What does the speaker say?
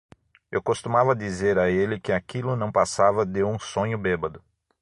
Eu costumava dizer a ele que aquilo não passava de um sonho bêbado.